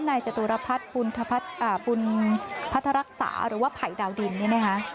นายจตุรพัฒน์บุญพัฒรักษาหรือว่าไผ่ดาวดินนี่นะคะ